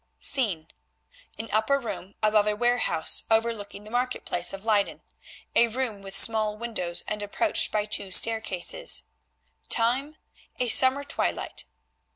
Scene—an upper room above a warehouse overlooking the market place of Leyden, a room with small windows and approached by two staircases; time, a summer twilight.